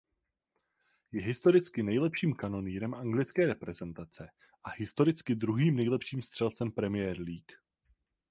Je historicky nejlepším kanonýrem anglické reprezentace a historicky druhým nejlepším střelcem Premier League.